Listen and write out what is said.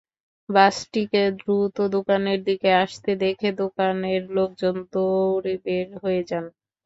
বাসটিকে দ্রুত দোকানের দিকে আসতে দেখে দোকানের লোকজন দৌড়ে বের হয়ে যান।